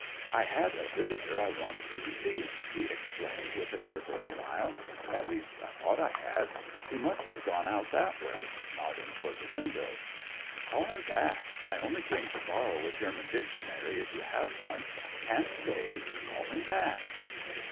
"I had a visitor I wanted you to see," he explained with a nervous smile. "At least I thought I had. He must have gone out that way," nodding toward the window. "Call him back. I only came to borrow a German dictionary, if you have one. Can't stay. Call him back."